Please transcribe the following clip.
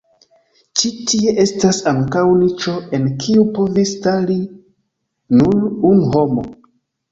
Ĉi tie estas ankaŭ niĉo, en kiu povis stari nur unu homo.